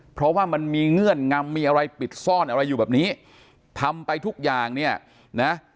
เพราะว่ามันมีเงื่อนงำมีอะไรปิดซ่อนอะไรอยู่แบบนี้ทำไปทุกอย่างเนี่ยนะ